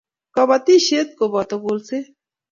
Kobotisiet koboto kolset